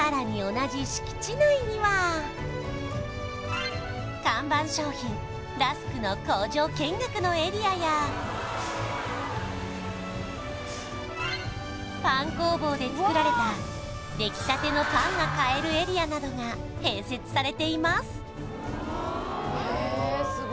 同じ看板商品ラスクの工場見学のエリアやパン工房で作られた出来たてのパンが買えるエリアなどが併設されています